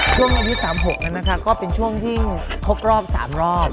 ช่วงวันที่๓๖นั้นนะคะก็เป็นช่วงที่ครบรอบ๓รอบ